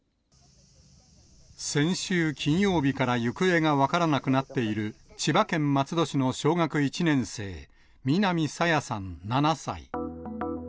先週金曜日から行方が分からなくなっている千葉県松戸市の小学１年生、南朝芽さん７歳。